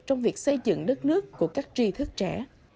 trong việc xây dựng đất nước của các tri thức trẻ